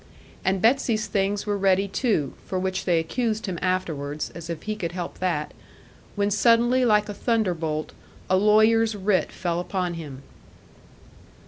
And Betsy's things were ready too for which they accused him afterwards, as if he could help that when suddenly, like a thunderbolt, a lawyer's writ fell upon him.